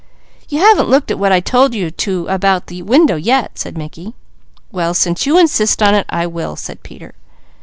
"You haven't looked at what I told you to about the window yet," said Mickey. "Well since you insist on it, I will," said Peter.